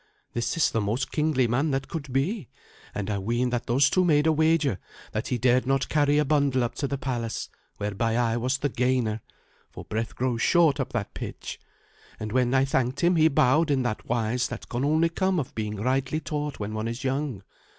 This is the most kingly man that could be; and I ween that those two made a wager that he dared not carry a bundle up to the palace, whereby I was the gainer, for breath grows short up that pitch. And when I thanked him he bowed in that wise that can only come of being rightly taught when one is young.